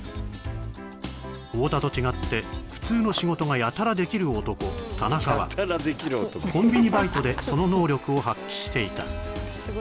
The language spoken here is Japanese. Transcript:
太田と違って普通の仕事がやたらできる男田中はコンビニバイトでその能力を発揮していた